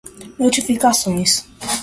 notificações